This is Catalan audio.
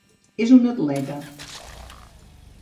És una atleta.